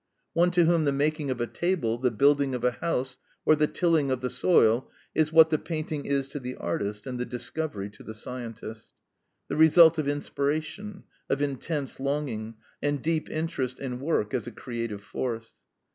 One to whom the making of a table, the building of a house, or the tilling of the soil, is what the painting is to the artist and the discovery to the scientist, the result of inspiration, of intense longing, and deep interest in work as a creative force.